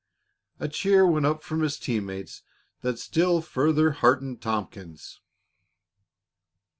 A cheer went up from his team mates that still further heartened Tompkins.